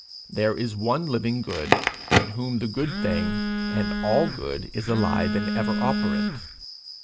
There is one living good, in whom the good thing, and all good, is alive and ever operant.